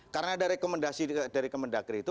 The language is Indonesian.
karena ada rekomendasi dari kemendagri itu